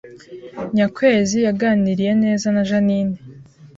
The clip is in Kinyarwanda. Nyakwezi yaganiriye neza na Jeaninne